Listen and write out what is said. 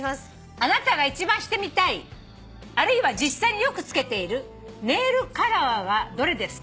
「あなたが一番してみたいあるいは実際によくつけているネイルカラーはどれですか？」